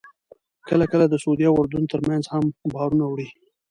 کله کله د سعودي او اردن ترمنځ هم بارونه وړي.